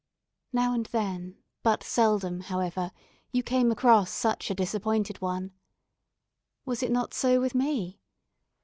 Now and then, but seldom, however, you came across such a disappointed one. Was it not so with me?